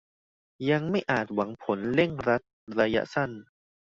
ยังไม่อาจหวังผลเร่งรัดระยะสั้น